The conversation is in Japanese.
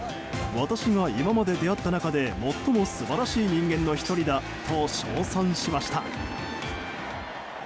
私が今まで出会った中で最も素晴らしい人間の１人だと賞賛しました。